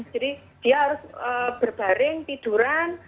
jadi dia harus berbaring tiduran